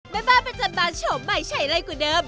แม่บ้านประจำบานโฉมใหม่ใช้อะไรกว่าเดิม